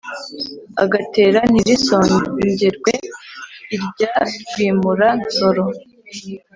agatera ntirisongerwe irya rwimura-nsoro.